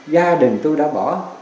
gia đình tôi đã bỏ